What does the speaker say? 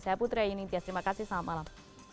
saya putri ayini terima kasih salam malam